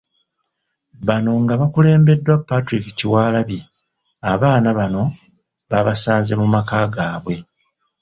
Bano nga bakulembeddwa Patrick Kyewalabye, abaana bano babasanze mu maka gaabwe.